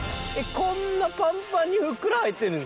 こんなパンパンにふっくら入ってるんですか？